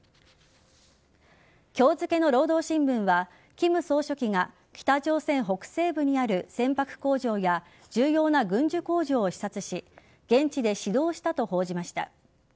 今日付の労働新聞は金総書記が北朝鮮北西部にある船舶工場や重要な軍需工場を視察し現地で指導したと報じました。